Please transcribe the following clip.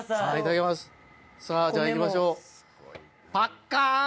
さぁじゃあ行きましょう。